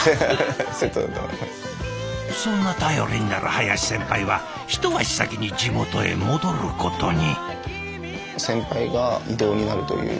そんな頼りになる林先輩は一足先に地元へ戻ることに。